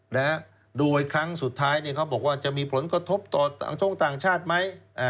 ดูอีกครั้งสุดท้ายเขาบอกว่าจะมีผลกระทบต่างชาติไหม